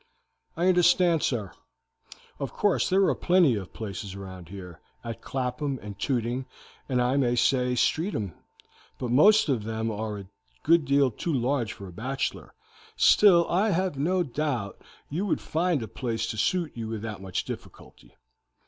"I understand, sir. Of course there are plenty of places round here, at Clapham and Tooting, and I may say Streatham, but most of them are a deal too large for a bachelor, still I have no doubt you would find a place to suit you without much difficulty.